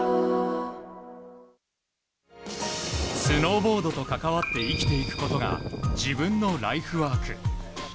スノーボードと関わって生きていくことが自分のライフワーク。